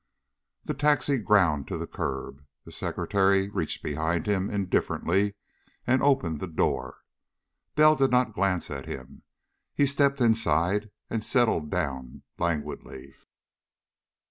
The taxi ground to the curb. The secretary reached behind him indifferently and opened the door. Bell did not glance at him. He stepped inside and settled down languidly.